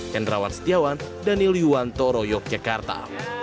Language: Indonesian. kendrawan setiawan danilyuwanto royog jakarta